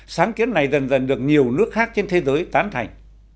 sáng kiến này dần dần được nhiều nước khác trên thế giới tán thành